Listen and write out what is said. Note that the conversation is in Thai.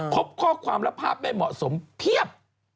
พบข้อความและภาพไม่เหมาะสมเพียบ